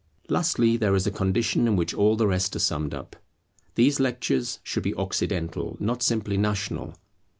Lastly, there is a condition in which all the rest are summed up. These lectures should be Occidental, not simply National.